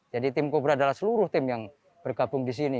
jadi tim kobra adalah seluruh tim yang bergabung di sini